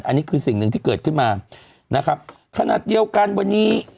อันนี้คือสิ่งหนึ่งที่เกิดขึ้นมานะครับขนาดเดียวกันวันนี้